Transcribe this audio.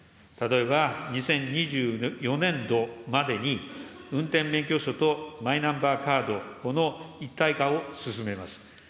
例えば２０２４年度までに運転免許証とマイナンバーカードの一体化を進めます。